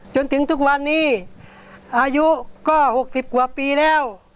จนถึงทุกวันนี้อายุก็๖๐กว่าปีแล้ว